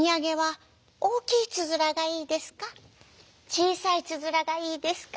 ちいさいつづらがいいですか？」。